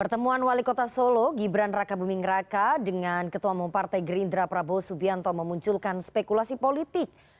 pertemuan wali kota solo gibran raka bumingraka dengan ketua mempartai gerindra prabowo subianto memunculkan spekulasi politik